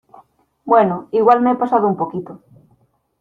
bueno, igual me he pasado un poquito.